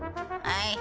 はい？